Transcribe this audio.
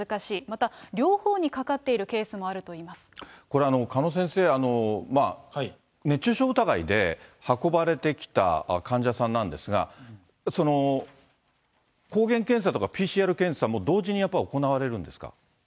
また両方にかかっているケースもこれ、鹿野先生、熱中症疑いで運ばれてきた患者さんなんですが、その、抗原検査とかＰＣＲ検査も同時にやっぱり行われるんですか？